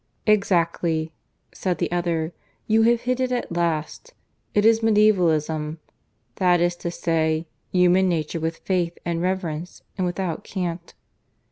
"Exactly!" said the other. "You have hit it at last. It is medievalism that is to say, human nature with faith and reverence, and without cant."